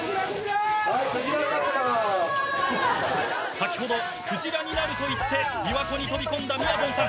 先ほど「くじらになる」と言って琵琶湖に飛び込んだみやぞんさん。